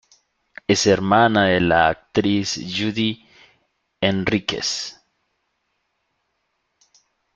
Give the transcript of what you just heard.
Es hermana de la actriz Judy Henríquez.